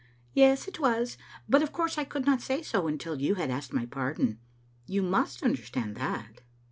"Yes, it was; but of course I could not say so until you had asked my pardon. You must understand that?"